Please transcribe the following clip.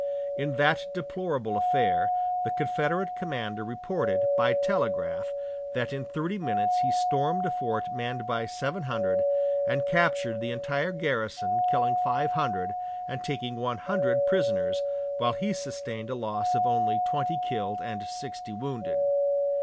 In that deplorable affair, the Confederate commander reported, by telegraph, that in thirty minutes he stormed a fort manned by seven hundred, and captured the entire garrison killing five hundred and taking one hundred prisoners while he sustained a loss of only twenty killed and sixty wounded.